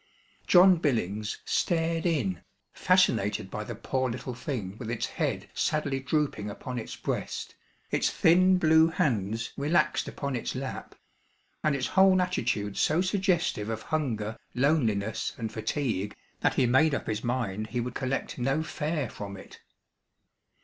John Billings stared in, fascinated by the poor little thing with its head sadly drooping upon its breast, its thin blue hands relaxed upon its lap, and its whole attitude so suggestive of hunger, loneliness, and fatigue, that he made up his mind he would collect no fare from it.